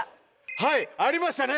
はいありましたね。